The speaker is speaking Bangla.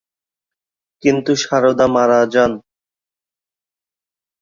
কিন্তু সারদা মারা যান।